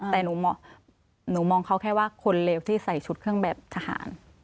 แต่หนูมองเขาแค่ว่าคนเลวที่ใส่ชุดเครื่องแบบทหาร